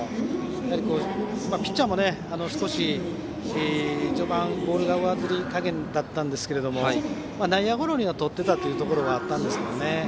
やはりピッチャーも少し序盤ボールが上ずり加減でしたが内野ゴロにはとってたところがあったんですけどね。